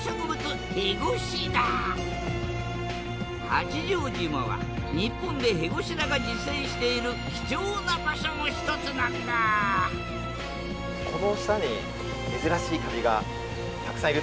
八丈島は日本でヘゴシダが自生している貴重な場所の一つなんだなるほど。